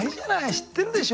知ってるでしょ？